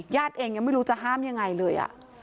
เองยังไม่รู้จะห้ามยังไงเลย